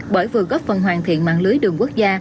bởi vừa góp phần hoàn thiện mạng lưới đường quốc gia